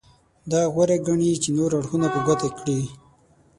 دا غوره ګڼي چې نور اړخونه په ګوته کړي.